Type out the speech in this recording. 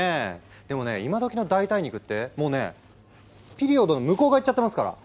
でもね今どきの代替肉ってもうねピリオドの向こう側いっちゃってますから！